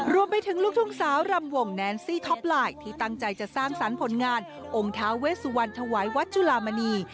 รวมไปถึงลูกทุ่งสาวรำวงแนนซี่ท็อปไลน์ที่ตั้งใจจะสร้างสรรค์ผลงานองค์ท้าเวสวันถวายวัดจุลามณี